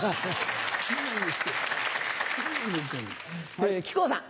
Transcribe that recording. はい木久扇さん。